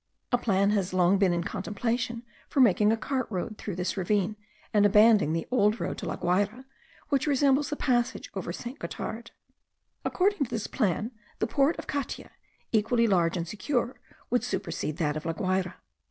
A plan has long been in contemplation for making a cart road through this ravine and abandoning the old road to La Guayra, which resembles the passage over St. Gothard. According to this plan, the port of Catia, equally large and secure, would supersede that of La Guayra.